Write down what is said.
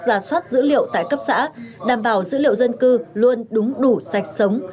ra soát dữ liệu tại cấp xã đảm bảo dữ liệu dân cư luôn đúng đủ sạch sống